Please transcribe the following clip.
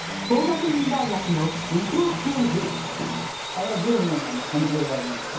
あれは随分反響がありまして。